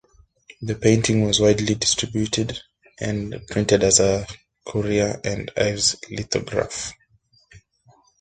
The painting was widely distributed and printed as a Currier and Ives lithograph.